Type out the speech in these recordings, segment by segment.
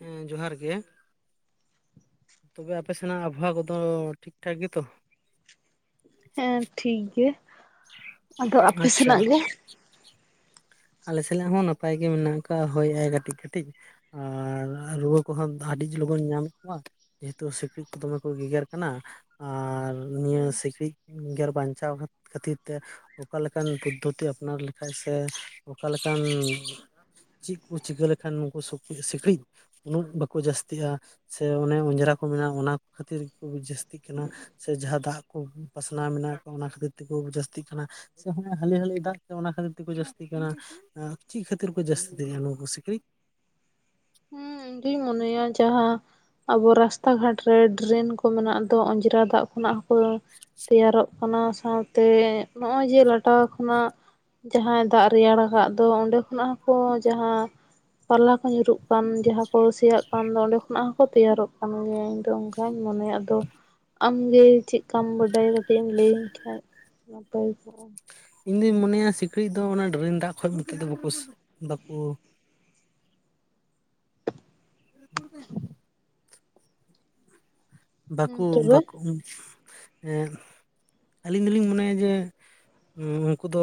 ᱦᱮᱸ ᱡᱚᱦᱟᱨ ᱜᱮ᱾ ᱛᱚᱵᱮ ᱟᱯᱮ ᱥᱮᱱᱟᱜ ᱟᱵᱚᱦᱟᱣᱟ ᱠᱚᱫᱚ ᱴᱷᱤᱠᱴᱷᱟᱠ ᱜᱮᱛᱚ? ᱦᱮᱸ ᱴᱷᱤᱠ ᱜᱮ᱾ ᱟᱫᱚ ᱟᱯᱮ ᱟᱪᱪᱷᱟ ᱥᱮᱱᱟᱜ ᱜᱮ? ᱟᱞᱮ ᱥᱮᱱᱟᱜ ᱦᱚᱸ ᱱᱟᱯᱟᱭ ᱜᱮ ᱢᱮᱱᱟᱜ ᱠᱟᱜ-ᱟ ᱦᱳᱭ ᱟᱭ ᱠᱟᱹᱴᱤᱡ ᱠᱟᱹᱴᱤᱡ᱾ ᱟᱨ ᱨᱩᱣᱟᱹ ᱠᱚᱦᱚᱸ ᱟᱹᱰᱤ ᱞᱚᱜᱚᱱ ᱧᱟᱢᱮᱫ ᱠᱚᱣᱟ ᱾ ᱡᱮᱦᱮᱛᱩ ᱥᱤᱠᱬᱤᱡᱽ ᱠᱚ ᱫᱚᱢᱮ ᱠᱚ ᱜᱮᱜᱮᱨ ᱠᱟᱱᱟ, ᱟᱨ ᱱᱤᱭᱟᱹ ᱥᱤᱠᱬᱤᱡᱽ ᱜᱮᱨ ᱵᱟᱧᱪᱟᱣ ᱠᱷᱟᱹᱛᱤᱨ ᱛᱮ ᱚᱠᱟ ᱞᱮᱠᱟᱱ ᱯᱚᱫᱽᱫᱷᱚᱛᱤ ᱟᱯᱱᱟᱨ ᱞᱮᱠᱷᱟᱡ ᱥᱮ ᱚᱠᱟ ᱞᱮᱠᱟᱱ ᱪᱮᱫ ᱠᱚ ᱪᱤᱠᱟᱹ ᱞᱮᱠᱷᱟᱱ ᱱᱩᱠᱩ ᱥᱤᱠᱬᱤᱡᱽ ᱩᱱᱟᱹᱜ ᱵᱟᱠᱚ ᱡᱟᱹᱥᱛᱤᱜᱼᱟ, ᱥᱮ ᱩᱱᱟᱹ ᱚᱸᱡᱽᱨᱟ ᱠᱚ ᱢᱮᱱᱟᱜᱼᱟ ᱚᱱᱟ ᱠᱷᱟᱹᱛᱤᱨ ᱠᱚ ᱡᱟᱹᱥᱛᱤᱜ ᱠᱟᱱᱟ ᱾ ᱥᱮ ᱡᱟᱦᱟᱸ ᱫᱟᱜ ᱠᱚ ᱯᱟᱥᱱᱟᱣ ᱢᱮᱱᱟᱜ ᱠᱟ ᱚᱱᱟ ᱠᱷᱟᱹᱛᱤᱨ ᱛᱮᱠᱚ ᱡᱟᱹᱥᱛᱤᱜ ᱠᱟᱱᱟ? ᱥᱮ ᱦᱚ-ᱚᱸ ᱦᱟᱹᱞᱤ ᱦᱟᱹᱞᱤ ᱫᱟᱜ ᱛᱮ ᱚᱱᱟ ᱠᱷᱟᱹᱤᱨ ᱛᱮᱠᱚ ᱡᱟᱹᱥᱛᱤᱜ ᱠᱟᱱᱟ, ᱟᱸ ᱪᱮᱫ ᱠᱷᱟᱹᱛᱤᱨ ᱠᱚ ᱡᱟᱹᱥᱛᱤᱜ ᱠᱟᱱᱟ ᱱᱩᱠᱩ ᱥᱤᱠᱬᱤᱡᱽ? ᱦᱩᱸ ᱤᱧ ᱫᱩᱧ ᱢᱚᱱᱮᱭᱟ ᱡᱟᱦᱟᱸ ᱟᱵᱚ ᱨᱟᱥᱛᱟ ᱜᱷᱟᱴᱨᱮ ᱰᱨᱮᱱ ᱠᱚ ᱢᱮᱱᱟᱜ ᱫᱚ ᱚᱸᱡᱽᱨᱟ ᱫᱟᱜ ᱠᱷᱚᱱᱟᱜ ᱦᱚᱸᱠᱚ ᱛᱮᱭᱟᱨᱚᱜ ᱚᱱᱟ ᱥᱟᱶᱛᱮ ᱱᱚᱜᱼᱚᱭ ᱡᱮ ᱞᱟᱴᱟ ᱠᱷᱚᱱᱟᱜ ᱡᱟᱦᱟᱸ ᱫᱟᱜ ᱨᱮᱭᱟᱲ ᱟᱠᱟᱫ ᱫᱚ ᱚᱸᱰᱮ ᱠᱷᱚᱱᱟᱜ ᱦᱚᱸ ᱠᱚ ᱡᱟᱦᱟᱸ ᱯᱟᱞᱟ ᱠᱚ ᱧᱩᱨᱩᱜ ᱠᱟᱱ ᱡᱟᱦᱟᱸ ᱠᱚ ᱥᱮᱭᱟᱜ ᱠᱟᱱ ᱫᱚ ᱚᱸᱰᱮ ᱠᱷᱚᱱᱟᱜ ᱦᱚᱸᱠᱚ ᱛᱮᱭᱟᱨᱚᱜ ᱠᱟᱱ ᱜᱮᱭᱟ, ᱤᱧᱫᱚ ᱚᱱᱠᱟᱧ ᱢᱚᱱᱮᱭᱟ ᱟᱫᱚ ᱟᱢᱜᱮ ᱪᱮᱫᱠᱟᱢ ᱵᱟᱰᱟᱭᱟ, ᱠᱟᱹᱭ ᱮᱢ ᱞᱟᱹᱭᱟᱹᱧ ᱠᱷᱟᱱ ᱱᱟᱯᱟᱭ ᱠᱚᱜᱼᱟ? ᱤᱧ ᱫᱩᱧ ᱢᱚᱱᱮᱭᱟ ᱥᱤᱠᱬᱤᱡ ᱫᱚ ᱚᱱᱟ ᱰᱨᱮᱱ ᱫᱟᱜ ᱠᱷᱚᱡ ᱠᱮᱠᱮᱡ ᱵᱟᱠᱚ ᱵᱟᱠᱩ [unintelligible] ᱦᱮᱸ ᱵᱟᱠᱚ ᱛᱚᱵᱮ ᱵᱟᱠᱚ ᱮᱸᱜ ᱟᱹᱞᱤᱧ ᱫᱚᱞᱤᱧ ᱢᱚᱱᱮᱭᱟ ᱡᱮ ᱩᱱᱠᱩ ᱫᱚ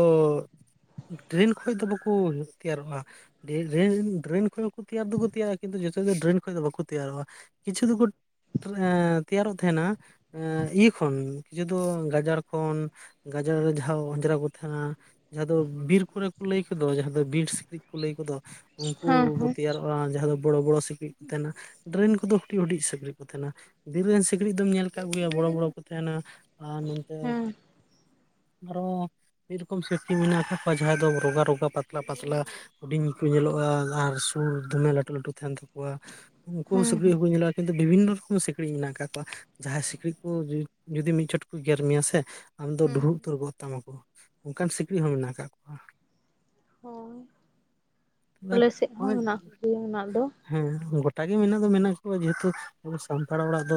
ᱰᱨᱮᱱ ᱠᱷᱚᱡ ᱫᱚ ᱵᱟᱠᱩ ᱛᱮᱭᱟᱨᱚᱜᱼᱟ ᱾ ᱰᱨᱮᱱ ᱰᱨᱮᱱ ᱰᱨᱮᱱ ᱠᱷᱚᱡ ᱦᱚᱸᱠᱚ ᱛᱮᱭᱟᱨ ᱫᱚᱠᱚ ᱛᱮᱭᱟᱨᱚ ᱠᱤᱱᱛᱩ ᱡᱚᱛᱚ ᱫᱚ ᱰᱨᱮᱱ ᱠᱷᱚᱡ ᱫᱚ ᱵᱟᱠᱚ ᱛᱮᱭᱟᱨᱚᱜᱼᱟ᱾ ᱠᱤᱪᱷᱩ ᱫᱚᱠᱚ ᱟᱸ ᱛᱮᱭᱟᱨᱚᱜ ᱛᱟᱦᱮᱸᱱᱟ ᱾ ᱮᱸ ᱤᱭᱟᱹ ᱠᱷᱚᱱ ᱠᱤᱪᱷᱩ ᱫᱚ ᱜᱟᱡᱟᱲ ᱠᱷᱚᱱ, ᱜᱟᱡᱟᱲ ᱨᱮ ᱡᱟᱦᱟᱸ ᱚᱸᱡᱽᱨᱟ ᱠᱚ ᱛᱟᱦᱮᱸᱱᱟ᱾ ᱡᱟᱦᱟᱸ ᱫᱚ ᱵᱤᱨ ᱠᱚᱨᱮ ᱠᱚ ᱞᱟᱹᱭ ᱠᱚᱫᱚ ᱡᱟᱦᱟᱸ ᱫᱚ ᱵᱤᱨ ᱥᱤᱠᱬᱤᱡ ᱠᱚ ᱞᱟᱹᱭ ᱠᱚᱫᱚ ᱾ ᱩᱱᱠᱩ ᱦᱮᱸ ᱠᱚ ᱦᱮᱸ ᱛᱮᱭᱟᱨᱚᱜᱼᱟ ᱡᱟᱦᱟᱸ ᱫᱚ ᱵᱚᱲᱚ ᱵᱚᱲᱚ ᱥᱤᱠᱬᱤᱡ ᱠᱚ ᱛᱟᱦᱮᱸᱱᱟ, ᱰᱨᱮᱱ ᱠᱚᱫᱚ ᱦᱩᱰᱤᱡ ᱦᱩᱰᱤᱡ ᱥᱤᱠᱬᱤᱡ ᱠᱚ ᱛᱟᱦᱮᱱᱟ᱾ ᱵᱤᱨ ᱨᱮᱱ ᱥᱤᱠᱬᱤᱡ ᱫᱚᱢ ᱧᱮᱞ ᱠᱟᱜ ᱠᱚᱜᱮᱭᱟ, ᱵᱚᱲᱚ ᱵᱚᱲᱚ ᱠᱚ ᱛᱟᱦᱮᱸᱱᱟ ᱟᱨ ᱱᱚᱝᱠᱟ ᱦᱮᱸ ᱟᱨᱚ ᱢᱤᱫ ᱨᱚᱠᱚᱢ ᱥᱤᱠᱬᱤᱡ ᱢᱮᱱᱟᱜ ᱠᱟᱫ ᱠᱚᱣᱟ ᱡᱟᱦᱟᱸᱭ ᱫᱚ ᱨᱚᱜᱟ ᱨᱚᱜᱟ ᱯᱟᱛᱞᱟ ᱯᱟᱛᱞᱟ᱾ ᱦᱩᱰᱤᱧ ᱠᱚ ᱧᱮᱞᱚᱜᱼᱟ, ᱟᱨ ᱥᱩᱲ ᱫᱚᱢᱮ ᱞᱟᱹᱴᱩ ᱞᱟᱹᱴᱩ ᱛᱟᱦᱮᱸᱱ ᱛᱟᱠᱚᱣᱟ ᱾ ᱩᱱᱠᱩ ᱦᱚᱸ ᱦᱮᱸ ᱥᱤᱠᱬᱤᱡ ᱦᱮᱸ ᱦᱚᱸᱠᱚ ᱧᱮᱞᱟᱜ-ᱟ ᱠᱤᱱᱛᱩ ᱵᱤᱵᱷᱤᱱᱚ ᱨᱚᱠᱚᱢ ᱥᱤᱠᱲᱤᱡ ᱥᱤᱠᱬᱤᱡ ᱢᱮᱱᱟᱜ ᱟᱠᱟᱫ ᱠᱚᱣᱟ, ᱡᱟᱦᱟᱸᱭ ᱥᱤᱠᱬᱤᱡ ᱠᱚ ᱡᱩᱫᱤ ᱢᱤᱫ ᱪᱚᱴ ᱠᱚ ᱜᱮᱨ ᱢᱮᱭᱟ ᱥᱮ ᱟᱢ ᱫᱚ ᱦᱮᱸ ᱰᱩᱦᱩ ᱩᱛᱟᱹᱨ ᱜᱚᱫ ᱛᱟᱢᱟᱠᱚ, ᱚᱱᱠᱟᱱ ᱥᱤᱠᱬᱤᱡ ᱦᱚᱸ ᱢᱮᱱᱟᱜ ᱟᱠᱟᱜ ᱠᱚᱣᱟ ᱾ ᱦᱳᱭ ᱛᱚᱵᱮ ᱟᱞᱮ ᱥᱮᱫ ᱦᱚᱸ ᱱᱚᱜᱼᱚᱭ ᱢᱮᱱᱟᱜ ᱠᱟᱜ ᱠᱚᱜᱮᱭᱟ ᱢᱮᱱᱟᱜ ᱫᱚ᱾ ᱦᱮᱸ ᱜᱚᱴᱟ ᱜᱮ ᱢᱮᱱᱟᱜ ᱫᱚ ᱢᱮᱱᱟᱜ ᱠᱚᱣᱟ, ᱡᱮᱦᱮᱛᱩ ᱟᱵᱚ ᱥᱟᱱᱛᱟᱲ ᱚᱲᱟᱜ ᱫᱚ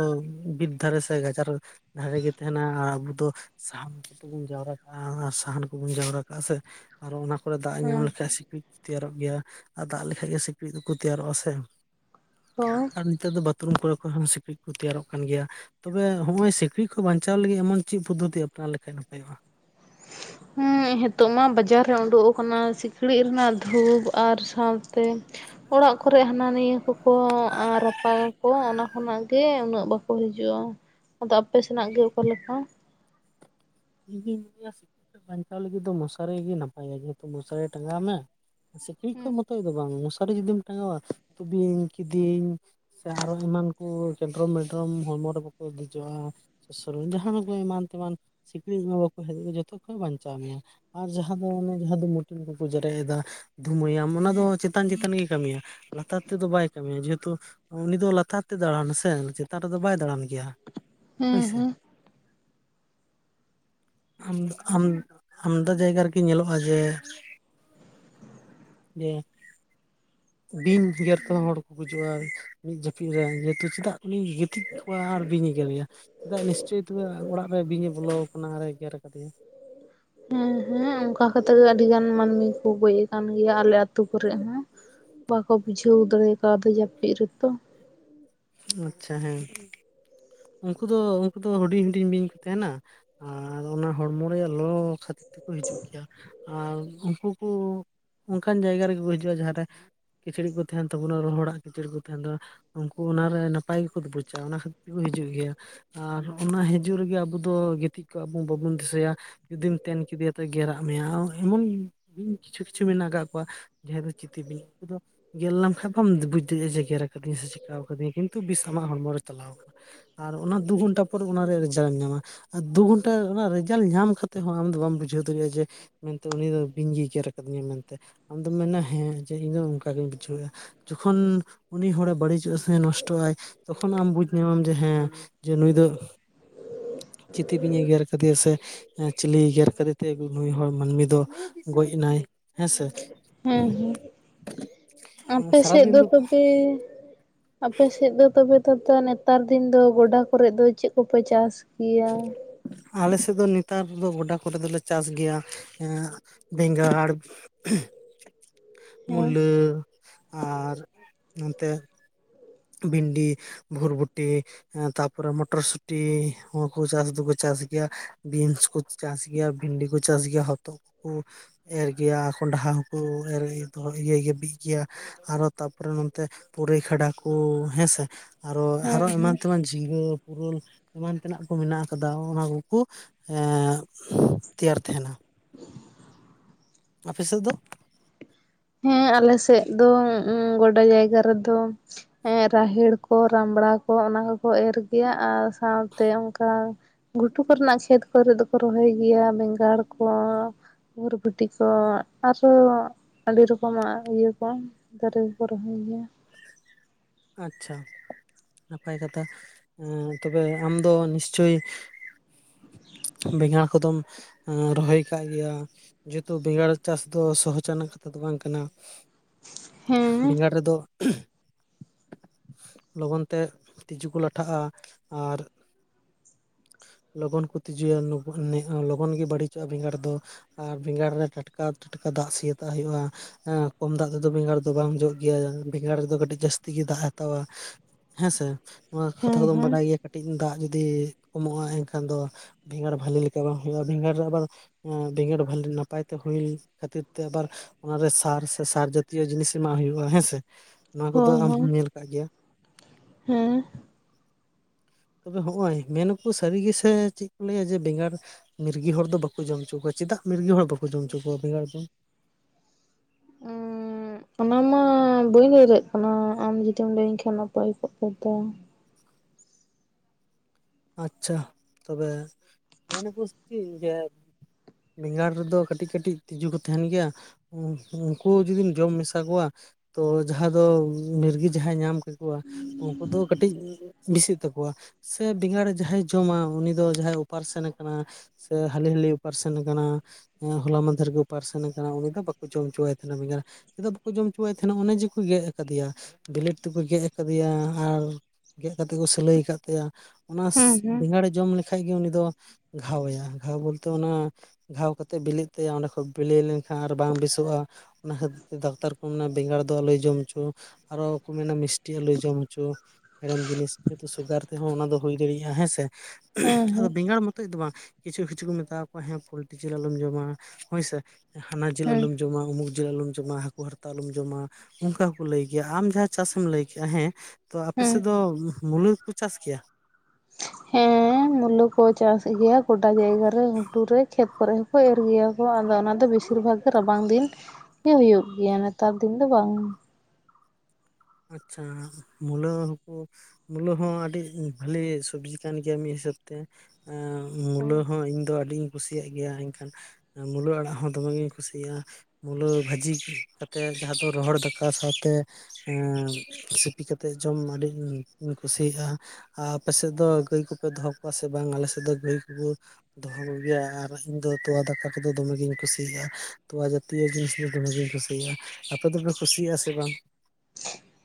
ᱵᱤᱨ ᱫᱷᱟᱨᱮ ᱥᱮ, ᱜᱟᱡᱟᱲ ᱫᱷᱟᱨᱮ ᱜᱮ ᱛᱟᱦᱮᱱᱟ, ᱟᱨ ᱟᱵᱚ ᱫᱚ ᱥᱟᱦᱟᱵ ᱛᱮᱵᱚᱱ ᱡᱟᱣᱨᱟ ᱠᱟᱜᱼᱟ ᱟᱨ ᱥᱟᱦᱟᱱ ᱠᱚᱵᱚᱱ ᱡᱟᱣᱨᱟ ᱠᱟᱜᱼᱟ ᱥᱮ ᱟᱨᱚ ᱚᱱᱟ ᱠᱚ ᱠᱚᱨᱮ ᱫᱟᱜ ᱧᱟᱢ ᱦᱮᱸ ᱞᱮᱠᱷᱟᱡ ᱥᱤᱠᱬᱤᱡ ᱠᱚ ᱛᱮᱭᱟᱨᱚᱜ ᱜᱮᱭᱟ, ᱟᱨ ᱫᱟᱜ ᱞᱮᱠᱷᱟᱡ ᱜᱮ ᱥᱤᱠᱬᱤᱡ ᱫᱚᱠᱚ ᱛᱮᱭᱟᱨᱚᱜᱼᱟ ᱥᱮ? ᱦᱳᱭ ᱟᱨ ᱱᱤᱛᱟᱨ ᱫᱚ ᱵᱟᱛᱷᱨᱩᱢ ᱠᱚᱨᱮ ᱠᱷᱚᱡ ᱦᱚᱸ ᱥᱤᱠᱲᱤᱡ᱾ ᱛᱮᱭᱟᱨᱚᱜ ᱠᱟᱱ ᱜᱮᱭᱟ ᱛᱚᱵᱮ ᱦᱚᱸᱜ-ᱚᱭ ᱥᱤᱠᱲᱤᱡ ᱠᱚ ᱵᱟᱧᱪᱟᱣ ᱞᱟᱹᱜᱤᱫ ᱮᱢᱚᱱ ᱪᱮᱫ ᱯᱚᱫᱽᱫᱷᱚᱛᱤ ᱟᱯᱱᱟᱨ ᱞᱮᱠᱷᱟᱡ ᱱᱟᱯᱟᱭᱚᱜᱼᱟ᱾ ᱦᱩᱸ ᱦᱮᱛᱚᱜ ᱢᱟ ᱵᱟᱡᱟᱨ ᱨᱮ ᱳᱰᱚᱠ ᱟᱠᱟᱱᱟ ᱥᱤᱠᱬᱤᱡ ᱨᱮᱱᱟᱜ ᱫᱷᱩᱯ ᱟᱨ ᱥᱟᱶᱛᱮ ᱚᱲᱟᱜ ᱠᱚᱨᱮ ᱦᱟᱱᱟ ᱱᱤᱭᱟᱹ ᱠᱚᱠᱚ ᱨᱟᱯᱟᱜᱟᱠᱚ ᱚᱱᱟ ᱠᱷᱚᱱᱟᱜ ᱜᱮ ᱩᱱᱟᱹᱜ ᱵᱟᱠᱚ ᱦᱤᱡᱩᱜᱼᱟ᱾ ᱟᱫᱚ ᱟᱯᱮ ᱥᱮᱱᱟᱜ ᱜᱮ ᱚᱠᱟ ᱞᱮᱠᱟ? ᱤᱧ ᱫᱩᱧ ᱢᱚᱱᱮᱭᱟ ᱥᱤᱠᱲᱤᱢ ᱠᱷᱚᱱ ᱵᱟᱧᱪᱟᱣ ᱞᱟᱹᱜᱤᱫ ᱫᱚ ᱢᱚᱥᱟᱨᱤ ᱜᱮ ᱱᱟᱯᱟᱭᱟ ᱡᱮᱦᱮᱛᱩ ᱢᱚᱥᱟᱨᱤ ᱴᱟᱸᱜᱟᱣ ᱢᱮ ᱥᱤᱠᱲᱤᱡ ᱠᱷᱚᱡ ᱦᱮᱸ ᱢᱚᱛᱚᱡ ᱫᱚ ᱵᱟᱝ ᱢᱚᱥᱟᱨᱤ ᱡᱩᱫᱤᱢ ᱴᱟᱸᱜᱟᱣᱟ ᱛᱚ ᱵᱤᱧ ᱠᱤᱫᱤᱧ ᱥᱮ ᱟᱨᱚ ᱮᱢᱟᱱ ᱠᱚ ᱠᱮᱰᱨᱚᱢ ᱢᱮᱰᱨᱚᱢ ᱦᱚᱲᱢᱚ ᱨᱮ ᱵᱟᱠᱚ ᱫᱮᱡᱚᱜᱼᱟ ᱡᱟᱦᱟᱸᱟᱱ ᱠᱚ ᱮᱢᱟᱱ ᱛᱮᱢᱟᱱ ᱥᱤᱠᱲᱤᱡ ᱵᱟᱠᱚ ᱦᱮᱡ ᱡᱚᱛᱚ ᱠᱷᱚᱡ ᱵᱟᱧᱪᱟᱣ ᱢᱮᱭᱟ ᱟᱨ ᱡᱟᱦᱟᱸ ᱫᱚ ᱚᱱᱮ ᱡᱟᱦᱟᱸ ᱫᱚ ᱢᱩᱴᱤᱱ ᱠᱚᱠᱚ ᱡᱮᱨᱮᱫ ᱮᱫᱟ ᱫᱷᱩᱢᱟᱹᱭᱟᱢ ᱚᱱᱟ ᱫᱚ ᱪᱮᱛᱟᱱ ᱪᱮᱛᱟᱱ ᱜᱮ ᱠᱟᱹᱢᱤᱭᱟ ᱞᱟᱛᱟᱨ ᱛᱮᱫᱚ ᱵᱟᱭ ᱠᱟᱹᱢᱤᱭᱟ ᱡᱮᱦᱮᱛᱩ ᱩᱱᱤ ᱫᱚ ᱞᱟᱛᱟᱨ ᱛᱮ ᱫᱟᱬᱟᱱᱟ ᱥᱮ ᱪᱮᱛᱟᱱ ᱨᱮᱫᱚ ᱵᱟᱭ ᱫᱟᱬᱟᱱ ᱜᱮᱭᱟ ᱦᱮᱸ ᱦᱳᱭᱥᱮ ᱦᱮᱸ ᱟᱢ ᱟᱢᱫᱟ ᱡᱟᱭᱜᱟ ᱨᱮᱜᱮ ᱧᱮᱞᱚᱜᱼᱟ ᱡᱮ ᱡᱮ ᱵᱤᱧ ᱜᱮᱨ ᱛᱮᱦᱚᱸ ᱦᱚᱲ ᱠᱚ ᱜᱩᱡᱩᱜᱼᱟ ᱢᱤᱫ ᱡᱟᱹᱯᱤᱫ ᱨᱮ ᱡᱮᱦᱮᱛᱩ ᱪᱮᱫᱟᱜ ᱩᱱᱤᱧ ᱜᱤᱛᱤᱡ ᱠᱚᱜᱣᱟᱭ ᱟᱨ ᱵᱤᱧ ᱮ ᱜᱮᱨᱮᱭᱟ ᱪᱮᱫᱟᱜ ᱱᱤᱥᱪᱳᱭ ᱛᱚᱱᱚᱲᱟᱜ ᱨᱮ ᱵᱤᱧᱮ ᱵᱚᱞᱚᱣ ᱠᱟᱱᱟ ᱟᱨ ᱮ ᱜᱮᱨ ᱟᱠᱟᱫᱮᱭᱟ ᱦᱮᱸ ᱦᱮᱸ ᱚᱱᱠᱟ ᱠᱟᱛᱮᱜ ᱜᱮ ᱟᱹᱰᱤ ᱜᱟᱱ ᱢᱟᱹᱱᱢᱤ ᱠᱚ ᱜᱚᱡ ᱟᱠᱟᱱ ᱜᱮᱭᱟ ᱟᱞᱮ ᱟᱛᱩ ᱠᱚᱨᱮ ᱦᱚᱸ ᱵᱟᱠᱚ ᱵᱩᱡᱷᱟᱹᱣ ᱫᱟᱲᱮ ᱟᱠᱟᱣ ᱫᱟ ᱡᱟᱹᱯᱤᱫ ᱨᱮᱛᱚ ᱟᱪᱪᱷᱟ ᱦᱮᱸ ᱩᱱᱠᱩ ᱫᱚ ᱩᱱᱠᱩ ᱫᱚ ᱦᱩᱰᱤᱧ ᱦᱩᱰᱤᱧ ᱵᱤᱧ ᱠᱚ ᱛᱟᱦᱮᱱᱟ ᱟᱨ ᱚᱱᱟ ᱦᱚᱲᱢᱚ ᱨᱮᱭᱟᱜ ᱞᱚᱞᱚ ᱠᱷᱟᱹᱛᱤᱨ ᱛᱮᱠᱚ ᱦᱤᱡᱩᱜ ᱜᱮᱭᱟ ᱟᱨ ᱩᱱᱠᱩ ᱠᱚ ᱚᱱᱠᱟᱱ ᱡᱟᱭᱜᱟ ᱨᱮᱜᱮ ᱠᱚ ᱦᱤᱡᱩᱜᱼᱟ ᱡᱟᱦᱟᱸᱨᱮ ᱠᱤᱪᱨᱤᱡ ᱠᱚ ᱛᱟᱦᱮᱱ ᱛᱟᱵᱚᱱᱟ ᱨᱚᱦᱚᱲᱟᱜ ᱠᱤᱪᱨᱤᱡ ᱠᱚ ᱛᱟᱦᱮᱱ ᱛᱟ ᱩᱱᱠᱩ ᱚᱱᱟᱨᱮ ᱱᱟᱯᱟᱭ ᱜᱮᱠᱚ ᱵᱩᱡᱷᱼᱟ ᱚᱱᱟ ᱠᱷᱟᱹᱛᱤᱨ ᱛᱮᱠᱚ ᱦᱤᱡᱩᱜ ᱜᱮᱭᱟ ᱟᱨ ᱚᱱᱟ ᱦᱤᱡᱩᱜ ᱨᱮᱜᱮ ᱟᱵᱚ ᱫᱚ ᱜᱤᱛᱤᱡ ᱠᱚᱜ ᱟᱵᱚ ᱵᱟᱵᱚᱱ ᱫᱤᱥᱟᱹᱭᱟ ᱡᱩᱫᱤᱢ ᱛᱮᱱ ᱠᱮᱫᱮᱭᱟ ᱛᱚ ᱜᱮᱨᱟᱜ ᱢᱮᱭᱟ ᱮᱢᱚᱱ ᱠᱤᱪᱷᱩ ᱠᱤᱪᱷᱩ ᱢᱮᱱᱟᱜ ᱟᱠᱟᱫ ᱠᱚᱣᱟ ᱡᱟᱦᱟᱸᱭ ᱫᱚ ᱪᱤᱛᱤ ᱵᱤᱧ ᱩᱱᱠᱩ ᱫᱚ ᱜᱮᱨ ᱞᱮᱢᱠᱷᱟᱱ ᱵᱟᱢ ᱵᱩᱡᱽ ᱫᱟᱲᱮᱭᱟᱜᱼᱟ ᱡᱮ ᱜᱮᱨ ᱟᱠᱟᱫᱤᱧᱟ ᱥᱮ ᱪᱟᱞᱟᱣ ᱟᱠᱟᱫᱤᱧᱟ ᱠᱤᱱᱛᱩ ᱵᱮᱥ ᱟᱢᱟᱜ ᱦᱚᱲᱢᱚᱨ ᱨᱮ ᱪᱟᱞᱟᱣ ᱟᱠᱟᱱᱟ ᱟᱨ ᱚᱱᱟ ᱫᱩ ᱜᱷᱚᱱᱴᱟ ᱯᱚᱨ ᱚᱱᱟᱨᱮ ᱨᱮᱡᱟᱞᱴ ᱮᱢ ᱧᱟᱢᱟ ᱟᱨ ᱫᱩ ᱜᱷᱚᱱᱴᱟ ᱨᱮᱡᱟᱞᱴ ᱧᱟᱢ ᱠᱟᱛᱮᱫ ᱦᱚᱸ ᱟᱢ ᱫᱚ ᱵᱟᱢ ᱵᱩᱡᱷᱟᱹᱣ ᱫᱟᱲᱮᱭᱟᱜᱼᱟ ᱡᱮ ᱢᱮᱱᱛᱮ ᱩᱱᱤ ᱫᱚ ᱵᱤᱧᱜᱤ ᱜᱮ ᱜᱮᱨ ᱟᱠᱟᱫᱤᱧᱟ ᱢᱮᱱᱛᱮ ᱟᱢ ᱫᱚᱢ ᱢᱮᱱᱟ ᱦᱮᱸ ᱡᱮ ᱤᱧ ᱫᱚ ᱚᱱᱠᱟᱜᱤᱧ ᱵᱩᱡᱷᱟᱹᱣ ᱮᱼᱟ ᱡᱚᱠᱷᱚᱱ ᱩᱱᱤ ᱦᱚᱲᱮ ᱵᱟᱹᱲᱤᱡ ᱪᱮᱫᱟᱜ ᱥᱮ ᱱᱚᱥᱴᱚᱜ ᱟᱭ ᱛᱚᱠᱷᱚᱱ ᱟᱢ ᱵᱩᱡᱽ ᱧᱟᱢᱟᱢ ᱡᱮ ᱦᱮᱸ ᱱᱩᱭ ᱫᱚ ᱪᱤᱛᱤ ᱵᱤᱧ ᱮ ᱜᱮᱨ ᱟᱠᱟᱫᱮᱭᱟ ᱥᱮ ᱦᱮᱸ ᱪᱤᱞᱤ ᱜᱮᱨ ᱟᱠᱟᱫᱮ ᱛᱮ ᱱᱩᱭ ᱦᱚᱲ ᱢᱟᱹᱱᱢᱤ ᱫᱚ ᱜᱚᱡ ᱮᱱᱟᱭ ᱦᱮᱸᱥᱮ ᱦᱩᱸ ᱦᱩᱸ ᱟᱯᱮ ᱥᱮᱫ ᱫᱚ ᱛᱚᱵᱮ ᱟᱯᱮᱥᱮᱫ ᱫᱚ ᱛᱚᱵᱮ ᱛᱚ ᱱᱮᱛᱟᱨ ᱫᱤᱱ ᱫᱚ ᱜᱚᱰᱟ ᱠᱚᱨᱮᱫ ᱫᱚ ᱪᱮᱫ ᱠᱚᱯᱮ ᱪᱟᱥ ᱜᱮᱭᱟ ᱟᱞᱮ ᱥᱮᱫ ᱫᱚ ᱱᱮᱛᱟᱨ ᱫᱚ ᱜᱚᱰᱟ ᱠᱚᱨᱮ ᱫᱚᱞᱮ ᱪᱟᱥ ᱜᱮᱭᱟ ᱮᱸ ᱵᱮᱸᱜᱟᱲ ᱦᱮᱸ ᱢᱩᱞᱟᱹ ᱟᱨ ᱱᱚᱱᱛᱮ ᱵᱷᱤᱱᱰᱤ ᱵᱷᱚᱨᱵᱩᱴᱤ ᱦᱮᱸ ᱛᱟᱯᱚᱨᱮ ᱢᱚᱴᱚᱨ ᱥᱩᱴᱤ ᱦᱚᱸᱠᱩ ᱪᱟᱥ ᱫᱚᱠᱚ ᱪᱟᱥ ᱜᱮᱭᱟ ᱵᱤᱱᱥ ᱠᱩ ᱪᱟᱥ ᱜᱮᱭᱟ ᱵᱷᱤᱱᱰᱤ ᱠᱚ ᱪᱟᱥ ᱜᱮᱭᱟ ᱦᱚᱛᱚᱫ ᱠᱚᱠᱩ ᱮᱨ ᱜᱮᱭᱟ ᱠᱚᱸᱰᱟ ᱦᱚᱸᱠᱚ ᱮᱨ ᱜᱮᱭᱟ [unintelligible] ᱵᱤᱫ ᱜᱮᱭᱟ ᱟᱨ ᱛᱟᱯᱚᱨᱮ ᱱᱚᱛᱮ ᱯᱩᱨᱟᱭ ᱠᱷᱟᱰᱟ ᱠᱚ ᱦᱮᱸᱥᱮ ᱟᱨᱚ ᱦᱮᱸ ᱟᱨᱚ ᱦᱮᱸ ᱮᱢᱟᱱ ᱛᱮᱢᱟᱱ ᱡᱷᱤᱸᱜᱟᱹ ᱯᱩᱨᱟᱹᱭ ᱮᱢᱟᱱ ᱛᱮᱱᱟᱜ ᱠᱚ ᱢᱮᱱᱟᱜ ᱟᱠᱟᱫᱟ ᱚᱱᱟ ᱠᱚᱠᱚ ᱦᱮᱸ ᱛᱮᱭᱟᱨ ᱛᱟᱦᱮᱱᱟ ᱟᱯᱮ ᱥᱮᱫ ᱫᱚ? ᱦᱮᱸ ᱟᱞᱮ ᱥᱮᱫ ᱫᱚ ᱜᱚᱰᱟ ᱡᱟᱭᱜᱟ ᱨᱮᱫᱚ ᱦᱮᱸ ᱨᱟᱦᱮᱲ ᱠᱚ ᱨᱟᱢᱲᱟ ᱠᱚ ᱚᱱᱟ ᱠᱚᱠᱚ ᱮᱨ ᱜᱮᱭᱟ, ᱟᱨ ᱥᱟᱶᱛᱮ ᱚᱱᱠᱟ ᱜᱷᱩᱴᱩ ᱠᱚᱨᱮᱱᱟᱜ ᱠᱷᱮᱛ ᱠᱚᱨᱮ ᱫᱚᱠᱚ ᱨᱚᱦᱚᱭ ᱜᱮᱭᱟ ᱵᱮᱸᱜᱟᱲ ᱠᱚ, ᱵᱚᱨᱵᱩᱴᱤ ᱠᱚ ᱟᱨᱚ ᱟᱹᱰᱤ ᱨᱚᱠᱚᱢᱟᱜ ᱤᱭᱟᱹ ᱠᱚ ᱫᱟᱨᱮ ᱠᱚᱠᱚ ᱨᱚᱦᱚᱭ ᱜᱮᱭᱟ᱾ [unintelligible] ᱟᱪᱪᱷᱟ ᱱᱟᱯᱟᱭ ᱠᱟᱛᱷᱟ ᱛᱚᱵᱮ ᱟᱢᱫᱚ ᱱᱤᱥᱪᱳᱚᱭ [unintelligible] ᱵᱮᱸᱜᱟᱲ ᱠᱚᱫᱚᱢ ᱨᱚᱦᱚᱭ ᱟᱠᱟᱜ ᱜᱮᱭᱟ? ᱡᱮᱦᱮᱛᱩ ᱵᱮᱸᱜᱟᱲ ᱪᱟᱥ ᱫᱚ ᱥᱚᱦᱚᱡ ᱟᱱᱟᱜ ᱠᱟᱛᱷᱟ ᱫᱚ ᱵᱟᱝ ᱠᱟᱱᱟ᱾ ᱦᱮᱸ ᱵᱮᱸᱜᱟᱲ ᱨᱮᱫᱚ ᱞᱚᱜᱚᱱ ᱛᱮ ᱛᱤᱡᱩ ᱠᱚ ᱞᱟᱴᱷᱟᱜ-ᱟ ᱟᱨ ᱞᱚᱜᱚᱱ ᱠᱚ ᱛᱤᱡᱩᱭᱟ ᱞᱚᱜᱚᱱ ᱜᱮ ᱵᱟᱹᱲᱤᱡᱚᱜ-ᱟ ᱵᱮᱸᱜᱟᱲ ᱫᱚ, ᱟᱨ ᱵᱮᱸᱜᱟᱲ ᱨᱮ ᱴᱟᱴᱠᱟ ᱴᱟᱴᱠᱟ ᱫᱟᱜ ᱥᱤᱛᱟᱹᱜ ᱦᱩᱭᱩᱜ-ᱟ᱾ ᱮᱸ ᱠᱚᱢ ᱫᱟᱜ ᱛᱮᱫᱚ ᱵᱮᱸᱜᱟᱲ ᱫᱚ ᱵᱟᱝ ᱡᱚᱜ ᱜᱮᱭᱟ ᱵᱮᱸᱜᱟᱲ ᱨᱮᱫᱚ ᱠᱟᱹᱴᱤᱡ ᱡᱟᱹᱥᱛᱤ ᱜᱮ ᱫᱟᱜ ᱮ ᱦᱟᱛᱟᱣᱟ᱾ ᱦᱮᱸᱥᱮ ᱱᱚᱣᱟ ᱠᱟᱛᱷᱟ ᱦᱮᱸ ᱠᱚ ᱫᱚᱢ ᱦᱮᱸ ᱵᱟᱰᱟᱭ ᱜᱮᱭᱟ ᱠᱟᱹᱴᱤᱡ ᱫᱟᱜ ᱡᱩᱫᱤ ᱠᱚᱢᱚᱜ-ᱟ ᱮᱱᱠᱷᱟᱱ ᱫᱚ ᱵᱮᱸᱟᱲ ᱵᱷᱟᱞᱮ ᱞᱮᱠᱟ ᱵᱟᱝ ᱦᱩᱭᱩᱜ-ᱟ ᱵᱮᱟᱲ ᱨᱮ ᱟᱵᱟᱨ ᱵᱮᱸᱜᱟᱲ ᱵᱷᱟᱞᱤ ᱱᱟᱯᱟᱭ ᱛᱮ ᱦᱩᱭ ᱠᱷᱟᱹᱛᱤᱨ ᱛᱮ ᱟᱵᱟᱨ ᱚᱱᱟᱨᱮ ᱥᱟᱨ ᱥᱮ ᱥᱟᱨ ᱡᱟᱛᱤᱭᱚ ᱡᱤᱱᱤᱥ ᱮᱢᱟᱜ ᱦᱩᱭᱩᱜ-ᱟ ᱦᱮᱸᱥᱮ᱾ ᱱᱚᱣᱟ ᱠᱚᱫᱚ ᱦᱳᱭ ᱟᱢ ᱦᱳᱭ ᱦᱚᱢ ᱧᱮᱞ ᱟᱠᱟᱫ ᱜᱮᱭᱟ᱾ ᱦᱮᱸ, ᱛᱚᱵᱮ ᱦᱚᱜ-ᱚᱭ ᱢᱮᱱᱟᱠᱚ ᱥᱟᱹᱨᱤ ᱜᱮᱥᱮ ᱪᱮᱫ ᱞᱟᱹᱭᱟ ᱡᱮ ᱵᱮᱸᱜᱟᱲ ᱢᱤᱨᱜᱤ ᱦᱚᱲ ᱫᱚ ᱵᱟᱠᱚ ᱡᱚᱢ ᱦᱚᱪᱚ ᱠᱚᱣᱟ, ᱪᱮᱫᱟᱜ ᱢᱤᱨᱜᱤ ᱦᱚᱲ ᱵᱟᱠᱚ ᱡᱚᱢ ᱦᱚᱪᱚ ᱠᱚᱣᱟ ᱵᱮᱸᱜᱟᱲ ᱫᱚ? [unintelligible] ᱚᱱᱟ ᱢᱟ ᱵᱟᱹᱧ ᱞᱟᱹᱭᱫᱟᱲᱮᱟᱜ ᱠᱟᱱᱟ ᱟᱢ ᱡᱩᱫᱤᱢ ᱞᱟᱹᱭᱟᱹᱧ ᱠᱷᱟᱱ ᱱᱟᱯᱟᱭ ᱠᱚᱜ-ᱟ ᱛᱚ᱾ ᱟᱪᱷᱟ ᱛᱚᱵᱮ ᱢᱮᱱ [inaudible] ᱡᱮ ᱵᱮᱸᱜᱟᱲ ᱨᱮᱫᱚ ᱠᱟᱹᱴᱤᱡ ᱠᱟᱹᱴᱤᱡ ᱛᱸᱤᱡᱩ ᱠᱚ ᱛᱟᱦᱮᱱ ᱜᱮᱭᱟ᱾ ᱩᱱᱠᱩ ᱡᱩᱫᱤᱢ ᱡᱚᱢ ᱢᱮᱥᱟ ᱠᱚᱣᱟ, ᱛᱚ ᱡᱟᱦᱟᱸ ᱫᱚ ᱢᱤᱨᱜᱤ ᱡᱟᱦᱟᱸᱭ ᱧᱟᱢ ᱠᱮᱠᱚᱣᱟ ᱩᱱᱠᱩ ᱫᱚ ᱠᱟᱹᱴᱤᱡ ᱵᱮᱥᱤᱜ ᱛᱟᱠᱚᱣᱟ ᱥᱮ ᱵᱮᱸᱜᱟᱲᱮ ᱡᱟᱦᱟᱸᱭ ᱡᱚᱢᱟ ᱩᱱᱤ ᱫᱚ ᱡᱟᱦᱟᱸᱭ ᱚᱯᱟᱨᱮᱥᱮᱱ ᱟᱠᱟᱱᱟ ᱥᱮ ᱦᱟᱹᱞᱤ ᱦᱟᱹᱞᱤ ᱚᱯᱟᱨᱮᱥᱮᱱ ᱟᱠᱟᱱᱟ ᱦᱚᱞᱟ ᱢᱟᱸᱫᱷᱮᱨ ᱜᱮ ᱚᱯᱟᱨᱥᱚᱱ ᱠᱟᱱᱟ ᱩᱱᱤ ᱫᱚ ᱵᱟᱠᱚ ᱡᱚᱢ ᱦᱚᱪᱚᱣᱟᱭ ᱛᱟᱦᱮᱱᱟ ᱵᱮᱜᱟᱨ, ᱪᱮᱫᱟᱜ ᱵᱟᱠᱚ ᱡᱚᱢ ᱦᱚᱪᱚᱣᱟᱭ ᱛᱟᱦᱮᱱᱟ ᱚᱱᱮ ᱡᱮᱠᱚ ᱜᱮᱫ ᱟᱠᱟᱫᱮᱭᱟ ᱵᱤᱞᱤᱰ ᱛᱮᱠᱚ ᱜᱮᱫ ᱟᱠᱟᱫᱮᱭᱟ ᱟᱨ ᱜᱮᱫ ᱠᱟᱛᱮᱫ ᱠᱚ ᱥᱤᱞᱟᱹᱭ ᱟᱠᱟᱫ ᱛᱟᱭᱟ ᱚᱱᱟ ᱦᱩᱸ ᱦᱩᱸ ᱵᱮᱸᱜᱟᱲ ᱡᱚᱢ ᱞᱮᱠᱷᱟᱡ ᱜᱮ ᱩᱱᱤ ᱫᱚ ᱜᱷᱟᱣᱭᱟ ᱜᱷᱟᱣ ᱵᱚᱞᱛᱮ ᱚᱱᱟ ᱜᱷᱟᱣ ᱠᱟᱛᱮᱫ ᱵᱤᱞᱤᱜ ᱛᱟᱭᱟ ᱚᱸᱰᱮ ᱠᱷᱚᱡ ᱵᱤᱞᱤ ᱞᱮᱱᱠᱷᱟᱱ ᱟᱨ ᱵᱟᱝ ᱵᱮᱥᱚᱜ-ᱟ᱾ ᱚᱱᱟ ᱠᱷᱟᱹᱛᱤᱨ ᱛᱮ ᱰᱟᱠᱛᱟᱨ ᱠᱚ ᱢᱮᱱᱟ ᱵᱮᱸᱜᱟᱲ ᱫᱚ ᱟᱞᱚᱭ ᱡᱚᱢ ᱦᱚᱪᱚ ᱟᱨᱚ ᱠᱚ ᱢᱮᱱᱟ ᱢᱤᱥᱴᱤ ᱟᱞᱩᱭ ᱡᱚᱢ ᱦᱚᱪᱚ ᱢᱮᱲᱚᱢ ᱡᱤᱱᱤᱥ ᱡᱮᱦᱮᱛᱩ ᱥᱩᱜᱟᱨ ᱛᱮᱦᱚᱸ ᱚᱱᱟ ᱫᱚ ᱦᱩᱭ ᱫᱟᱲᱮᱭᱟᱜ-ᱟ ᱦᱮᱸᱥᱮ ᱦᱮᱸ ᱟᱫᱚ ᱦᱮᱸ ᱵᱮᱸᱜᱟᱲ ᱢᱚᱛ ᱫᱚ ᱵᱟᱝ ᱠᱤᱪᱷᱩ ᱠᱤᱪᱷᱩ ᱢᱮᱛᱟᱣᱟ ᱠᱚᱣᱟ ᱦᱮᱸ ᱯᱚᱞᱴᱤ ᱡᱤᱞ ᱟᱞᱚᱢ ᱡᱚᱢᱟ ᱦᱳᱭᱥᱮ, ᱦᱟᱱᱟ ᱡᱤᱞ ᱦᱩᱸ ᱟᱞᱚᱢ ᱡᱚᱢᱟ ᱩᱢᱩᱠ ᱡᱤᱞ ᱟᱞᱚᱢ ᱡᱚᱢᱟ ᱦᱟᱹᱠᱩ ᱦᱟᱨᱛ ᱟᱞᱚᱢ ᱡᱚᱢᱟ ᱚᱱᱠᱟ ᱦᱚᱸᱠᱩ ᱞᱟᱹᱭ ᱠᱮᱭᱟ ᱟᱢ ᱡᱟᱦᱟᱸ ᱪᱟᱥᱮ ᱮᱢ ᱞᱟᱹᱭ ᱠᱮᱜ-ᱟ ᱦᱮᱸ, ᱛᱚ ᱟᱯᱮ ᱦᱩᱸ ᱥᱮᱫ ᱫᱚ ᱢᱩᱞᱟᱹᱠᱚ ᱪᱟᱥ ᱠᱮᱭᱟ? ᱦᱮᱸ ᱦᱮᱸ ᱢᱩᱞᱩᱹ ᱠᱚ ᱪᱟᱥ ᱮ ᱜᱮᱭᱟ ᱜᱚᱰᱟ ᱡᱟᱭᱜᱟ ᱨᱮ ᱦᱩᱴᱩᱨ ᱨᱮ ᱠᱷᱮᱛ ᱠᱚᱨᱮ ᱦᱚᱸᱠᱚ ᱮᱨ ᱜᱮᱭᱟ ᱠᱚ ᱟᱫᱚ ᱚᱱᱟ ᱫᱚ ᱵᱮᱥᱤᱨ ᱵᱷᱟᱜᱽ ᱨᱟᱵᱟᱝ ᱫᱤᱱ ᱜᱮ ᱦᱩᱭᱩᱜ ᱜᱮᱭᱟ ᱱᱮᱛᱟᱨ ᱫᱤᱱ ᱫᱚ ᱵᱟᱝ ᱟᱪᱪᱷᱟ ᱢᱩᱞᱟᱹ ᱦᱚᱸ ᱠᱩ ᱢᱩᱞᱟᱹ ᱦᱚᱸ ᱟᱹᱰᱤ ᱵᱟᱹᱞᱤ ᱥᱚᱵᱽᱡᱤ ᱠᱟᱱ ᱜᱮᱭᱟ ᱢᱤᱫ ᱦᱤᱥᱟᱹᱵ ᱛᱮ ᱮᱸ ᱢᱩᱞᱟᱹ ᱦᱚᱸ ᱤᱧ ᱫᱚ ᱟᱹᱰᱤᱧ ᱠᱩᱥᱤᱭᱟᱜ ᱜᱮᱭᱟ ᱮᱱᱠᱷᱟᱱ ᱦᱮᱸ ᱢᱩᱞᱟᱹ ᱟᱲᱟᱜ ᱦᱚᱸ ᱫᱚᱢᱮᱜᱤᱧ ᱠᱩᱥᱤᱭᱟᱜᱼᱟ᱾ ᱢᱩᱞᱟᱹ ᱵᱷᱟᱹᱡᱤ ᱠᱟᱛᱮᱫ ᱡᱟᱦᱟᱸ ᱫᱚ ᱨᱚᱦᱚᱲ ᱫᱟᱠᱟ ᱥᱟᱶᱛᱮ ᱮᱸ ᱥᱤᱯᱤ ᱠᱟᱛᱮᱫ ᱡᱚᱢ ᱟᱹᱰᱤᱧ ᱠᱩᱥᱤᱭᱟᱜᱼᱟ᱾ ᱟᱯᱮ ᱥᱮᱫ ᱫᱚ ᱜᱟᱹᱭ ᱠᱚᱯᱮ ᱫᱚᱦᱚ ᱠᱚᱣᱟ ᱥᱮ ᱵᱟᱝ ᱟᱞᱮ ᱥᱮᱫ ᱫᱚ ᱜᱟᱹᱭ ᱠᱚᱠᱩ ᱫᱚᱦᱚ ᱠᱚᱜᱮᱭᱟ ᱟᱨ ᱤᱧ ᱫᱚ ᱛᱚᱣᱟ ᱫᱟᱠᱟ ᱠᱚᱫᱚ ᱫᱚᱢᱮᱜᱤᱧ ᱠᱩᱥᱤᱭᱟᱜᱼᱟ ᱛᱚᱣᱟ ᱡᱚ ᱟᱹᱴᱤᱭᱟᱹ ᱡᱤᱱᱤᱥ ᱫᱚᱢᱮᱜᱮᱧ ᱠᱩᱥᱤᱭᱟᱜᱼᱟ ᱟᱯᱮ ᱫᱚᱯᱮ ᱠᱩᱥᱤᱭᱟᱜᱼᱟ ᱥᱮ ᱵᱟᱝ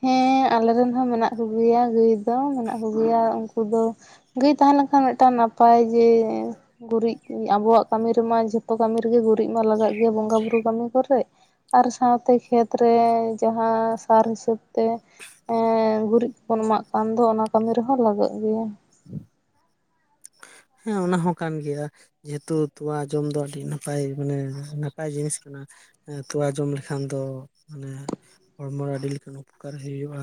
ᱦᱮᱸ ᱟᱞᱮ ᱨᱮᱱ ᱦᱚᱸ ᱢᱮᱱᱟᱜ ᱠᱚᱜᱮᱭᱟ ᱜᱟᱹᱭ ᱫᱚ ᱢᱮᱱᱟᱜ ᱠᱚᱜᱮᱭᱟ ᱩᱱᱠᱩ ᱫᱚ ᱜᱟᱹᱭ ᱛᱟᱦᱮᱸ ᱞᱮᱱᱠᱷᱟᱱ ᱢᱤᱫᱴᱟᱝ ᱱᱟᱯᱟᱭ ᱡᱮ ᱜᱩᱨᱤᱡ ᱟᱵᱚᱣᱟᱜ ᱠᱟᱹᱢᱤ ᱨᱮᱢᱟ ᱡᱷᱚᱛᱚ ᱠᱟᱹᱢᱤ ᱨᱮᱜᱤ ᱜᱩᱨᱤᱡ ᱢᱟ ᱞᱟᱜᱟᱜ ᱜᱮᱭᱟ ᱵᱚᱸᱜᱟ ᱵᱩᱨᱩ ᱠᱟᱹᱢᱤ ᱠᱚᱨᱮᱜ ᱟᱨ ᱥᱟᱶᱛᱮ ᱠᱷᱮᱛ ᱨᱮ ᱡᱟᱸᱦᱟ ᱥᱟᱨ ᱦᱤᱥᱟᱹᱵᱽ ᱛᱮ ᱮᱸ ᱜᱩᱨᱤᱡ ᱠᱚᱵᱚᱱ ᱮᱢᱟᱜ ᱠᱟᱱ ᱫᱚ ᱚᱱᱟ ᱠᱟᱹᱢᱤ ᱨᱮᱦᱚᱸ ᱞᱟᱜᱟᱜ ᱜᱤᱭᱟ᱾ ᱦᱮᱸ ᱚᱱᱟ ᱦᱚᱸ ᱠᱟᱱ ᱜᱮᱭᱟ᱾ ᱡᱮᱦᱩᱛᱩ ᱛᱚᱣᱟ ᱡᱚᱢ ᱫᱚ ᱟᱹᱰᱤ ᱱᱟᱯᱟᱭ ᱢᱟᱱᱮ ᱱᱟᱯᱟᱭ ᱡᱤᱱᱤᱥ ᱠᱟᱱᱟ᱾ ᱮᱸ ᱛᱚᱣᱟ ᱡᱚᱢ ᱞᱮᱠᱷᱟᱱ ᱫᱚ ᱢᱟᱱᱮ ᱦᱚᱲᱢᱚ ᱨᱮ ᱟᱹᱰᱤ ᱞᱮᱠᱟᱱ ᱩᱯᱚᱠᱟᱨ ᱦᱩᱭᱩᱜᱼᱟ᱾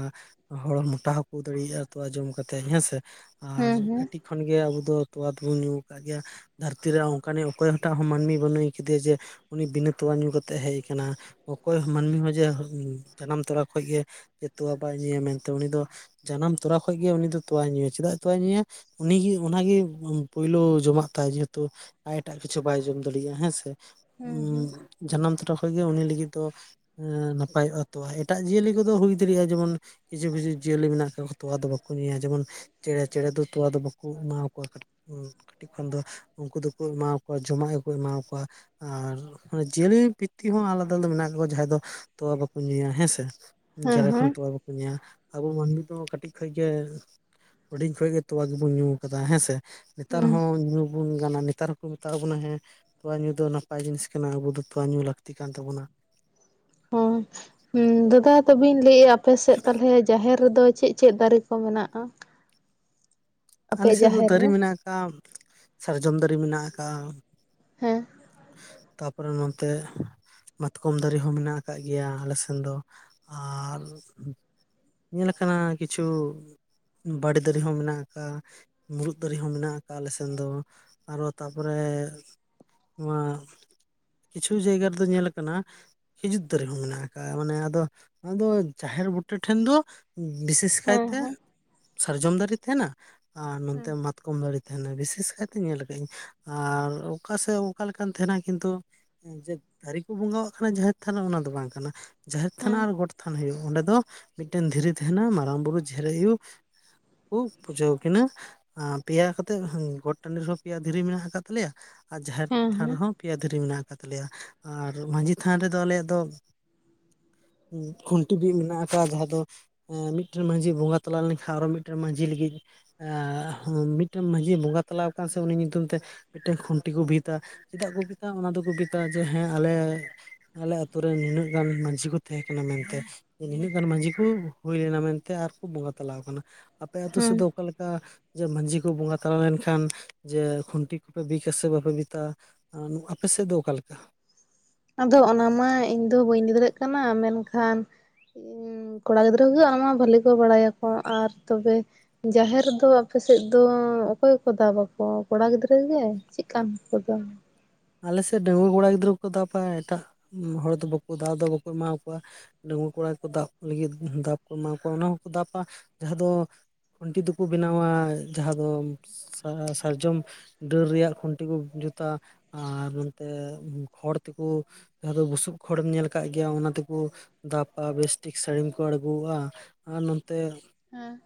ᱦᱚᱲ ᱢᱚᱴᱟ ᱦᱚᱠᱚ ᱫᱟᱲᱤᱭᱟᱜᱼᱟ ᱛᱚᱣᱟ ᱡᱚᱢ ᱠᱟᱛᱮ ᱦᱮᱸᱥᱮ ᱟᱨ ᱦᱮᱸ ᱦᱮᱸ ᱠᱟᱹᱴᱤᱡ ᱠᱷᱚᱱᱜᱮ ᱟᱵᱩ ᱫᱚ‍ ᱛᱚᱣᱟ ᱫᱚᱵᱚᱱ ᱧᱩ ᱟᱠᱟᱫ ᱜᱮᱭᱟ ᱫᱷᱟᱹᱨᱛᱤ ᱨᱮ ᱚᱱᱠᱟᱱᱤ ᱚᱠᱚᱭ ᱦᱚᱴᱟᱜ ᱦᱚᱸ ᱢᱟᱹᱱᱢᱤ ᱵᱟᱹᱱᱩᱭ ᱠᱟᱫᱮᱭᱟ ᱡᱮ ᱩᱱᱤ ᱵᱤᱱᱟᱹ ᱛᱚᱣᱟ ᱧᱩ ᱠᱟᱛᱮ ᱦᱮᱡ ᱟᱠᱟᱱᱟ ᱚᱠᱚᱭ ᱢᱟᱹᱱᱢᱤ ᱦᱚᱸ ᱡᱮ ᱡᱟᱱᱟᱢ ᱛᱚᱨᱟ ᱠᱷᱚᱱ ᱜᱮ ᱡᱮ ᱛᱚᱣᱟ ᱵᱟᱭ ᱧᱩᱭᱟ ᱢᱮᱱᱛᱮ ᱩᱱᱤ ᱫᱚ ᱡᱟᱱᱟᱢ ᱛᱚᱨᱟ ᱠᱷᱚᱡ ᱜᱮ ᱩᱱᱤ ᱫᱚ ᱛᱚᱣᱟᱭ ᱧᱩᱭᱟ ᱪᱮᱫᱟᱜ ᱛᱚᱣᱟᱭ ᱧᱩᱭᱟ ᱩᱱᱤ ᱜᱮ ᱚᱱᱟ ᱜᱮ ᱯᱩᱭᱞᱩ ᱡᱚᱢᱟᱜ ᱛᱟᱭ ᱡᱮᱦᱩᱛᱩ ᱟᱭ ᱮᱴᱟᱜ ᱠᱤᱪᱷᱩ ᱵᱟᱭ ᱡᱚᱢ ᱫᱟᱲᱮᱭᱟᱜᱼᱟ ᱦᱮᱸᱥᱮ ᱦᱮᱸ ᱩᱸ ᱦᱮᱸ ᱡᱟᱱᱟᱢ ᱛᱚᱨᱟ ᱠᱷᱚᱡ ᱜᱮ ᱩᱱᱤ ᱞᱟᱹᱜᱤᱫ ᱫᱚ ᱮᱸ ᱱᱟᱯᱟᱭᱚᱜᱼᱟ ᱛᱚᱣᱟ ᱮᱴᱟᱜ ᱡᱤᱭᱟᱹᱞᱤ ᱠᱚᱫᱚ ᱦᱩᱭ ᱫᱟᱲᱮᱭᱟᱜᱼᱟ ᱡᱮᱢᱚᱱ ᱠᱤᱪᱷᱩ ᱠᱤᱪᱷᱩ ᱡᱤᱭᱟᱹᱞᱤ ᱢᱮᱱᱟᱜ ᱠᱟᱜ ᱠᱚᱣᱟ ᱛᱚᱣᱟ ᱫᱚ ᱵᱟᱠᱚ ᱧᱩᱭᱟ ᱡᱮᱢᱚᱱ ᱪᱮᱬᱮ ᱪᱮᱬᱮ ᱫᱚ ᱛᱚᱣᱟ ᱫᱚ ᱵᱟᱠᱚ ᱮᱢᱟᱣ ᱠᱚᱣᱟ ᱠᱴᱤ ᱠᱟᱹᱴᱤᱡ ᱠᱷᱚᱱ ᱫᱚ ᱩᱱᱠᱩ ᱫᱚᱠᱚ ᱮᱢᱟᱠᱚᱣᱟ ᱡᱚᱢᱟᱜ ᱜᱮᱠᱚ ᱮᱢᱟᱠᱚᱣᱟ ᱟᱨ ᱡᱤᱭᱟᱹᱞᱤ ᱯᱤᱛᱤ ᱦᱚᱸ ᱟᱞᱟᱫᱟ ᱟᱞᱟᱫᱟ ᱢᱮᱱᱟᱜ ᱠᱚᱣᱟ ᱡᱟᱦᱟᱸᱭ ᱫᱚ ᱛᱚᱣᱟ ᱵᱟᱠᱚ ᱧᱩᱭᱟ ᱦᱮᱸᱥᱮ᱾ ᱦᱮᱸ ᱡᱟᱞᱮ ᱠᱷᱚᱱ ᱦᱮᱸ ᱛᱚᱣᱟ ᱵᱟᱠᱚ ᱧᱩᱭᱟ᱾ ᱟᱵᱚ ᱢᱟᱹᱱᱢᱤ ᱫᱚ ᱠᱟᱹᱴᱤᱡ ᱠᱷᱚᱡ ᱜᱮ ᱦᱩᱰᱤᱧ ᱠᱷᱚᱡ ᱜᱮ ᱛᱚᱣᱟ ᱜᱮᱵᱚᱱ ᱧᱩ ᱟᱠᱟᱫᱟ ᱦᱮᱸ ᱥᱮ᱾ ᱱᱮᱛᱟᱨ ᱦᱩᱸ ᱦᱚᱸ ᱧᱩ ᱵᱚᱱ ᱜᱟᱱᱟ ᱱᱮᱛᱟᱨ ᱦᱚᱸᱠᱚ ᱢᱮᱛᱟ ᱵᱚᱱᱟ ᱦᱮᱸ ᱛᱚᱣᱟ ᱧᱩ ᱫᱚ ᱱᱟᱯᱟᱭ ᱡᱤᱱᱤᱥ ᱠᱟᱱᱟ ᱟᱵᱚ ᱫᱚ ᱛᱚᱣᱟ ᱧᱩ ᱞᱟᱹᱠᱛᱤ ᱠᱟᱱ ᱛᱟᱵᱚᱱᱟ᱾ ᱦᱳᱭ ᱦᱮᱸ ᱫᱟᱫᱟ ᱛᱚᱵᱮᱧ ᱞᱟᱹᱭ ᱮᱼᱟ ᱟᱯᱮᱥᱮᱫ ᱛᱟᱞᱦᱮ ᱡᱟᱦᱮᱨ ᱨᱮᱫᱚ ᱪᱮᱫ ᱪᱮᱫ ᱫᱟᱨᱮ ᱠᱚ ᱢᱮᱱᱟᱜᱼᱟ? ᱟᱞᱮ ᱟᱯᱮᱭᱟᱜ ᱥᱮᱫ ᱫᱚ ᱡᱟᱦᱮᱨ ᱫᱟᱨᱮ ᱨᱮ ᱢᱮᱱᱟᱜ ᱟᱠᱟᱜᱼᱟ ᱥᱟᱨᱡᱚᱢ ᱫᱟᱨᱮ ᱢᱮᱱᱟᱜ ᱟᱠᱟᱜᱼᱟ᱾ ᱦᱮᱸ ᱛᱟᱯᱚᱨᱮ ᱱᱚᱱᱛᱮ ᱢᱟᱛᱠᱚᱢ ᱫᱟᱨᱮ ᱦᱚᱸ ᱢᱮᱱᱟᱜ ᱟᱠᱟᱫ ᱜᱮᱭᱟ ᱟᱞᱮ ᱥᱮᱱ ᱫᱚ ᱟᱨ ᱧᱮᱞ ᱟᱠᱟᱱᱟ ᱠᱤᱪᱷᱩ ᱵᱟᱲᱮ ᱫᱟᱨᱮ ᱦᱚᱸ ᱢᱮᱱᱟᱜ ᱟᱠᱟᱜᱼᱟ᱾ ᱢᱩᱨᱩᱫ ᱫᱟᱨᱮ ᱦᱚᱸ ᱢᱮᱱᱟᱜ ᱟᱠᱟᱜᱼᱟ ᱟᱞᱮ ᱥᱮᱱ ᱫᱚ ᱟᱨ ᱦᱚ ᱛᱟᱨᱯᱚᱨᱮ ᱱᱚᱣᱟ ᱠᱤᱪᱷᱩ ᱡᱟᱭᱜᱟ ᱨᱮᱫᱚ ᱧᱮᱞ ᱠᱟᱱᱟ᱾ ᱠᱷᱤᱡᱩᱨ ᱫᱟᱨᱮ ᱦᱚᱸ ᱢᱮᱱᱟᱜ ᱟᱠᱟᱜᱼᱟ ᱢᱟᱱᱮ ᱟᱫᱚ ᱚᱱᱟᱫᱚ ᱡᱟᱦᱮᱨ ᱵᱩᱴᱟᱹ ᱴᱷᱮᱱ ᱫᱚ ᱵᱤᱥᱮᱥ ᱦᱮᱸ ᱠᱟᱭᱛᱮ ᱦᱮᱸ ᱥᱟᱨᱡᱚᱢ ᱫᱟᱨᱮ ᱛᱟᱦᱮᱱᱟ ᱟᱨ ᱱᱚᱛᱮ ᱢᱟᱛᱼ ᱠᱚᱢ ᱫᱟᱨᱮ ᱛᱟᱦᱮᱱᱟ ᱵᱤᱥᱮᱥ ᱠᱟᱭᱛᱮ ᱧᱮᱞ ᱠᱟᱜᱟᱹᱧ ᱟᱨ ᱚᱠᱟ ᱥᱮᱫ ᱚᱠᱟ ᱞᱮᱠᱟᱱ ᱛᱟᱦᱮᱱᱟ ᱠᱤᱱᱛᱩ, ᱡᱮ ᱫᱟᱨᱮ ᱠᱚ ᱵᱚᱸᱜᱟᱣᱟᱜ ᱠᱟᱱᱟ ᱡᱟᱦᱮᱨ ᱛᱷᱟᱱ ᱚᱱᱟ ᱫᱚ ᱵᱟᱝ ᱠᱟᱱᱟ ᱡᱟᱦᱮᱨ ᱛᱷᱟᱱ ᱦᱮᱸ ᱟᱨ ᱜᱚᱴᱼ ᱛᱷᱟᱱ ᱦᱳᱭᱳᱜ ᱚᱸᱰᱮ ᱫᱚ ᱢᱤᱫᱴᱮᱱ ᱫᱷᱤᱨᱤ ᱛᱟᱦᱮᱱᱟ ᱢᱟᱨᱟᱝ ᱵᱩᱨᱩ ᱡᱟᱦᱮᱨ ᱟᱭᱩ ᱠᱚ ᱯᱩᱡᱟᱹᱼ ᱠᱤᱱᱟᱹ ᱟᱸ ᱯᱮᱭᱟ ᱠᱟᱛᱮᱫ ᱜᱚᱴ ᱴᱟᱺᱰᱤ ᱨᱮᱦᱚᱸ ᱯᱮᱭᱟ ᱫᱷᱤᱨᱤ ᱢᱮᱱᱟᱜ ᱟᱠᱟᱫ ᱛᱟᱞᱮᱭᱟ᱾ ᱟᱨ ᱡᱟᱦᱮᱨ ᱦᱮᱸ ᱛᱷᱟᱱ ᱦᱮᱸ ᱦᱚᱸ ᱯᱮᱭᱟ ᱫᱷᱤᱨᱤ ᱢᱮᱱᱟᱜ ᱟᱠᱟᱫ ᱛᱟᱞᱮᱭᱟ ᱟᱨ ᱢᱟᱹᱡᱷᱤ ᱛᱷᱟᱱ ᱨᱮᱫᱚ ᱟᱞᱮᱭᱟᱜ ᱫᱚᱼ ᱠᱷᱩᱱᱴᱤ ᱵᱤᱫ ᱢᱮᱱᱟᱜ ᱟᱠᱟᱫ ᱡᱟᱦᱟᱸ ᱫᱚᱼ ᱢᱤᱫᱴᱮᱱ ᱢᱟᱺᱡᱷᱤ ᱵᱚᱸᱜᱟ ᱛᱟᱞᱟ ᱞᱮᱱᱠᱷᱟᱱ ᱟᱨᱦᱚᱸ ᱢᱤᱫᱴᱮᱱ ᱢᱟᱺᱡᱷᱤ ᱞᱟᱹᱜᱤᱫᱼ ᱮ ᱢᱤᱫᱴᱮᱱ ᱢᱟᱺᱡᱷᱤᱭ ᱵᱚᱸᱜᱟ ᱛᱟᱞᱟ ᱟᱠᱟᱱ ᱥᱮ ᱩᱱᱤ ᱧᱩᱛᱩᱢ ᱛᱮᱼ ᱢᱤᱫᱴᱮᱱ ᱠᱷᱩᱱᱴᱤ ᱠᱚ ᱵᱤᱫᱟ ᱪᱮᱫᱟᱜ ᱠᱚ ᱵᱤᱫᱟ ᱚᱱᱟ ᱫᱚᱠᱚ ᱵᱤᱫᱟ ᱡᱮ ᱦᱮᱸ ᱟᱞᱮᱼ ᱟᱞᱮ ᱟᱛᱩᱨᱮ ᱱᱤᱱᱟᱹᱜ ᱜᱟᱱ ᱢᱟᱺᱡᱷᱤ ᱠᱚ ᱛᱟᱦᱮᱸ ᱠᱟᱱᱟ ᱢᱮᱱᱛᱮ᱾ ᱱᱤᱱᱟᱹᱜ ᱜᱟᱱ ᱢᱟᱹᱡᱷᱤ ᱠᱚ ᱦᱩᱭ ᱞᱮᱱᱟ ᱢᱮᱱᱛᱮ ᱟᱨᱠᱚ ᱵᱚᱸᱜᱟ ᱛᱟᱞᱟ ᱟᱠᱟᱱᱟ ᱟᱯᱮ ᱟᱛᱳ ᱥᱮᱫ ᱦᱮᱸ ᱫᱚᱼ ᱚᱠᱟ ᱞᱮᱠᱟ ᱡᱮ ᱢᱟᱹᱡᱷᱤ ᱠᱚ ᱵᱚᱸᱜᱟ ᱛᱟᱞᱟ ᱞᱮᱱᱠᱷᱟᱱ ᱡᱮ ᱠᱷᱩᱱᱴᱤ ᱠᱚᱯᱮ ᱵᱤᱫᱟ ᱥᱮ ᱵᱟᱯᱮ ᱵᱤᱫᱟ? ᱟᱸ ᱟᱯᱮ ᱥᱮᱫ ᱫᱚ ᱚᱠᱟᱞᱮᱠᱟ? ᱟᱫᱚ ᱚᱱᱟ ᱢᱟ ᱤᱧᱫᱚ ᱵᱟᱹᱧ ᱞᱟᱹᱭ ᱫᱟᱲᱮᱭᱟᱹᱜ ᱠᱟᱱᱟ ᱢᱮᱱᱠᱷᱟᱱᱼ ᱚᱸ ᱠᱚᱲᱟ ᱜᱤᱫᱽᱨᱟᱹ ᱠᱚᱜᱮ ᱚᱱᱟᱢᱟ ᱵᱷᱟᱹᱞᱤ ᱠᱚ ᱵᱟᱲᱟᱭᱟᱠᱚ ᱟᱨ ᱛᱚᱵᱮᱼ ᱡᱟᱦᱮᱨ ᱨᱮᱫᱚ ᱟᱯᱮ ᱥᱮᱫ ᱫᱚ ᱚᱠᱚᱭᱠᱚ ᱫᱟᱵᱟᱠᱚ ᱠᱚᱲᱟ ᱜᱤᱫᱽᱨᱟᱹ ᱜᱮ ᱪᱮᱫ ᱠᱟᱱ ᱠᱚ ᱫᱚ? ᱟᱞᱮᱥᱮᱫ ᱰᱟᱺᱝᱣᱟᱹ ᱠᱚᱲᱟ ᱜᱤᱫᱽᱨᱟᱹ ᱠᱚ ᱫᱟᱵᱟ ᱮᱴᱟᱜ ᱦᱚᱲ ᱫᱚ ᱵᱟᱠᱚ ᱫᱟᱵ ᱫᱚ ᱵᱟᱠᱚ ᱮᱢᱟ ᱠᱚᱣᱟ᱾ ᱰᱟᱺᱝᱣᱟᱹ ᱠᱚᱲᱟ ᱠᱚ ᱫᱟᱵ ᱞᱟᱹᱜᱤᱫ ᱫᱟᱵ ᱠᱚ ᱮᱢᱟ ᱠᱚᱣᱟ ᱚᱱᱟ ᱦᱚᱸᱠᱚ ᱫᱟᱵᱼᱟ ᱡᱟᱦᱟᱸ ᱫᱚᱼ ᱠᱷᱩᱱᱴᱤ ᱫᱚᱠᱚ ᱵᱮᱱᱟᱣᱟ ᱡᱟᱸᱦᱟ ᱫᱚᱼ ᱥᱟᱨᱡᱚᱢ ᱰᱟᱹᱨ ᱨᱮᱭᱟᱜ ᱠᱷᱩᱱᱴᱤ ᱠᱚ ᱡᱩᱛᱟ᱾ ᱟᱨ ᱱᱚᱱᱛᱮ ᱠᱷᱚᱲ ᱛᱮᱠᱚ ᱡᱟᱦᱟᱸ ᱫᱚ ᱵᱩᱥᱩᱵ ᱠᱷᱚᱲᱮᱢ ᱧᱮᱞ ᱟᱠᱟᱫ ᱜᱮᱭᱟ ᱚᱱᱟ ᱛᱮᱠᱚ ᱫᱟᱯᱟ ᱵᱮᱥᱴᱷᱤᱠ ᱥᱟᱹᱲᱤᱢ ᱠᱚ ᱟᱬᱜᱳᱜᱼᱟ᱾ ᱟᱨ ᱱᱚᱱᱛᱮ ᱦᱮᱸ